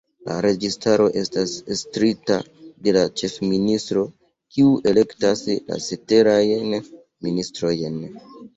La registaro estas estrita de la Ĉefministro, kiu elektas la ceterajn ministrojn.